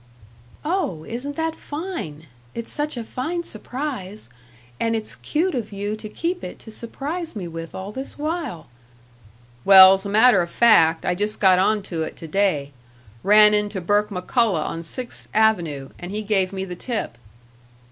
"Oh, isn't that fine! It's such a fine surprise and it's cute of you to keep it to surprise me with all this while " "Well, 's a matter of fact, I just got on to it to day. Ran into Burke McCullough on Sixth Avenue, and he gave me the tip."